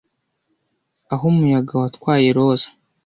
aho umuyaga watwaye roza